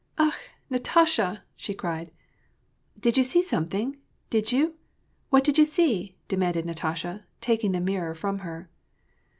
"Akh! Natasha!" she cried. " Did you see something ? Did you ? What did you see ?" demanded Natasha, taking the mirror from her.